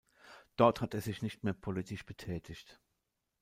Dort hat er sich nicht mehr politisch betätigt.